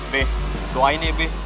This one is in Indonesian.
be doain ya be